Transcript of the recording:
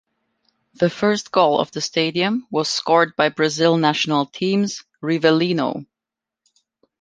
The first goal of the stadium was scored by Brazil national team's Rivelino.